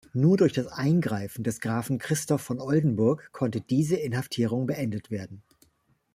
Nur durch das Eingreifen des Grafen Christoph von Oldenburg konnte diese Inhaftierung beendet werden.